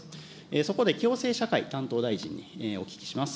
そこで、共生社会担当大臣にお聞きします。